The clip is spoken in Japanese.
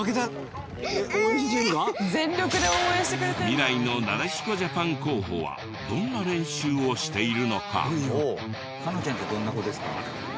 未来のなでしこジャパン候補はどんな練習をしているのか？